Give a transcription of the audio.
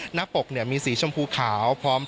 หน้าปกเนี่ยมีสีชมพูขาว